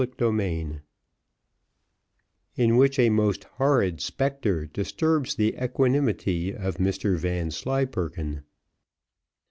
Chapter XL In which a most horrid spectre disturbs the equanimity of Mr Vanslyperken.